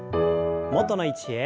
元の位置へ。